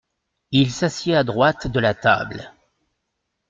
Il s’assied à droite de la table.